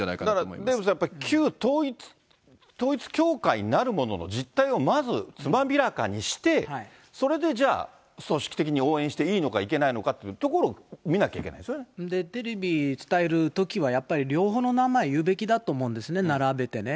だからデーブさん、やっぱり旧統一教会なるものの実態をまずつまびらかにして、それでじゃあ、組織的に応援していいのかいけないのかっていうところを見なきゃテレビ伝えるときはやっぱり、両方の名前言うべきだと思うんですね、並べてね。